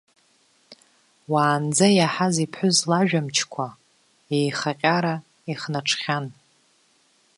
Уаанӡа иаҳаз иԥҳәыс лажәа мчқәа иеихаҟьара ихнаҽхьан.